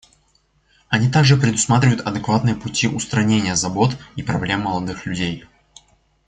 Они также предусматривают адекватные пути устранения забот и проблем молодых людей.